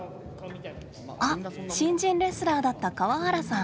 あっ新人レスラーだった河原さん。